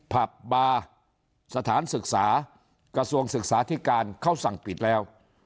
ผับบาร์สถานศึกษากระทรวงศึกษาธิการเขาสั่งปิดแล้ว